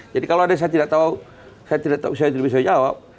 jadi kalau ada yang saya tidak tahu saya tidak tahu bisa jawab